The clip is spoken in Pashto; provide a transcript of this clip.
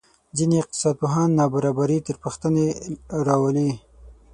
ځینې اقتصادپوهان نابرابري تر پوښتنې راولي.